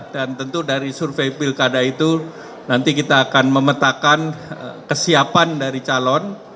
dan tentu dari survei pilkada itu nanti kita akan memetakan kesiapan dari calon